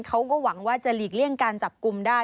เขาก็หวังว่าจะหลีกเลี่ยงการจับกลุ่มได้